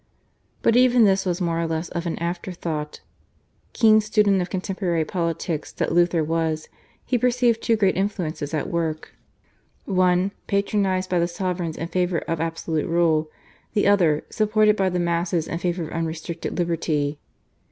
But even this was more or less of an after thought. Keen student of contemporary politics that Luther was, he perceived two great influences at work, one, patronised by the sovereigns in favour of absolute rule, the other, supported by the masses in favour of unrestricted liberty.